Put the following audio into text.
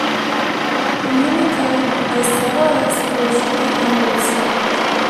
In Unicode, this letter is called "Straight U with stroke".